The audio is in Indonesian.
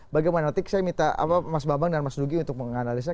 bagaimana nanti saya minta mas bambang dan mas nugi untuk menganalisa